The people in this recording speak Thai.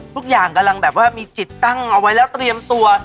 กำลังแบบว่ามีจิตตั้งเอาไว้แล้วเตรียมตัว